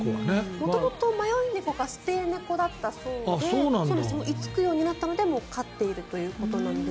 元々、迷い猫か捨て猫だったそうでいつくようになったので飼っているということなので。